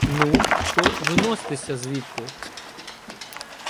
— Ну, то виносьтеся звідти.